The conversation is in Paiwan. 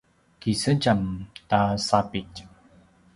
kisedjam ta sapitj